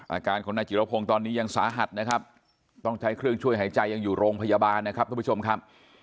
อาการของนายจิรพงศ์ตอนนี้ยังสาหัสนะครับต้องใช้เครื่องช่วยหายใจยังอยู่โรงพยาบาลนะครับทุกผู้ชมครับ